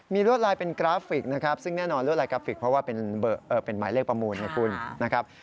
มีลวดลายเป็นกราฟิกนะครับซึ่งแน่นอนลวดลายกราฟิกเพราะว่าเป็นหมายเลขประมูลไงคุณนะครับ